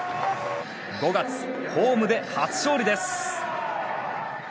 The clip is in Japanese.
５月、ホームで初勝利です。